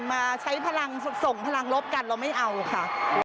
มาใช้พลังส่งพลังลบกันเราไม่เอาค่ะ